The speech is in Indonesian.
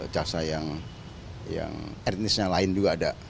jasa yang etnisnya lain juga ada